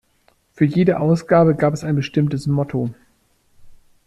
Für jede Ausgabe gab es ein bestimmtes Motto.